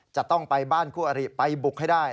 จะต้องไปบ้านคู่อริไปบุกให้ได้